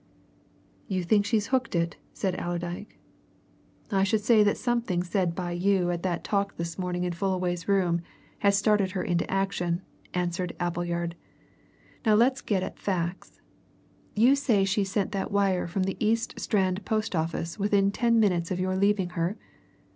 "You think she's hooked it?" said Allerdyke. "I should say that something said by some of you at that talk this morning in Fullaway's room has startled her into action," answered Appleyard. "Now let's get at facts. You say she sent that wire from the East Strand post Office within ten minutes of your leaving her?